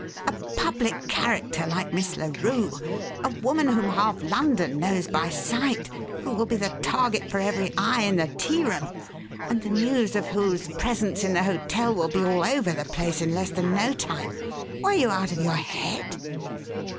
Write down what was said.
A public character like Miss Larue, a woman whom half London knows by sight, who will be the target for every eye in the tearoom, and the news of whose presence in the hotel will be all over the place in less than no time! Were you out of your head?"